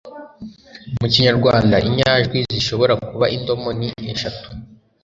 Mu Kinyarwanda, inyajwi zishobora kuba indomo ni eshatu